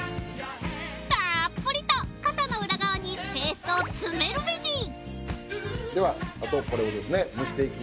たっぷりとカサの裏側にペーストを詰めるベジではあとはい。